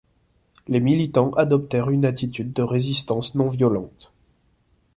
Les militants adoptèrent une attitude de résistance non-violente.